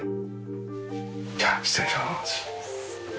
じゃあ失礼します。